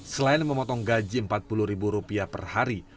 selain memotong gaji empat puluh rupiah per hari